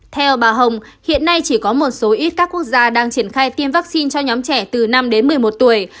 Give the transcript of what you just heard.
theo bà hồng hiện nay chỉ có một số ít các quốc gia đang triển khai tiêm vaccine cho nhóm trẻ từ năm đến một mươi một tuổi